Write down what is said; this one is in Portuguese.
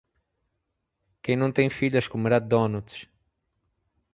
Quem não tem filhas comerá donuts.